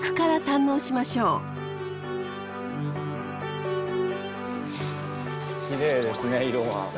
きれいですね色が。